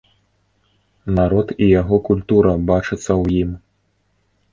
Народ і яго культура бачацца ў ім.